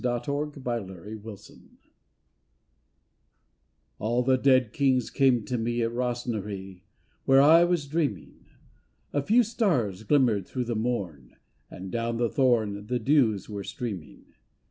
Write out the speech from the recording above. THE DEAD KINGS All the dead kings came to me At Rosnaree, \vhere I was dreaming. A few stars glimmered through the morn, And down the thorn the dews were streaming.